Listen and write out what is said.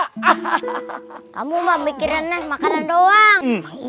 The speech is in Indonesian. kamu mah mikirin nas makanan doang